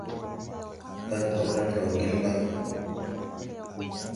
Pan torlan raw gen ba?